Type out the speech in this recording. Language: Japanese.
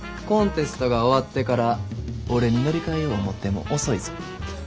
コンテストが終わってから俺に乗り換えよう思ても遅いぞ。